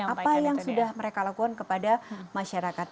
apa yang sudah mereka lakukan kepada masyarakat